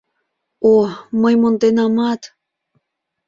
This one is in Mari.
О... мый монденамат!